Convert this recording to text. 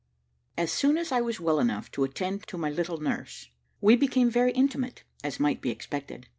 As soon as I was well enough to attend to my little nurse, we became very intimate, as might be expected.